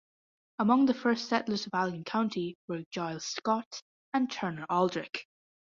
Among the first settlers of Allegan County were Giles Scott and Turner Aldrich.